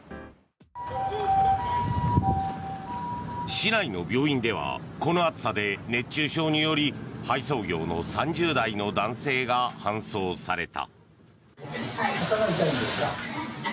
市内の病院ではこの暑さで熱中症により配送業の３０代の男性が搬送された。